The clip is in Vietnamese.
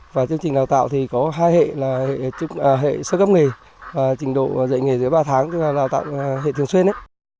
và chương trình đào tạo thì có hai hệ là hệ sơ cấp nghề và trình độ dạy nghề dưới ba tháng tức là đào tạo hệ thường xuyên